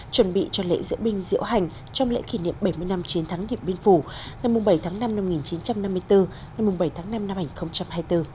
chuẩn bị cho lễ diễu binh diễu hành trong lễ kỷ niệm bảy mươi năm chiến thắng điện biên phủ ngày bảy tháng năm năm một nghìn chín trăm năm mươi bốn ngày bảy tháng năm năm hai nghìn hai mươi bốn